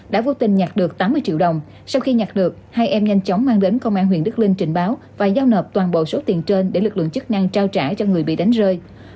đã vô tình nhặt được tám mươi triệu đồng sau khi nhặt được hai em nhanh chóng mang đến công an huyện đức linh trình báo và giao nộp toàn bộ số tiền trên để lực lượng chức năng trao trả cho người bị đánh rơi